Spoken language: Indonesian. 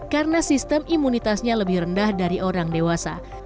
karena sistem imunitasnya lebih rendah dari orang dewasa